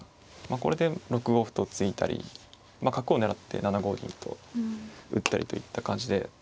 これで６五歩と突いたり角を狙って７五銀と打ったりといった感じで。